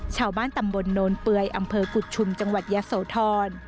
ชาวบ้านตำบลโนนเปลือยอำเภอกุฎชุมจังหวัดยะโสธร